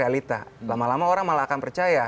realita lama lama orang malah akan percaya